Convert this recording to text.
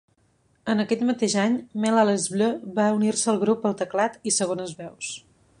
En aquest mateix any, Mel Allezbleu va unir-se al grup al teclat i segones veus.